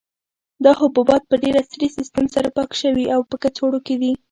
دا حبوبات په ډېر عصري سیسټم سره پاک شوي او په کڅوړو کې دي.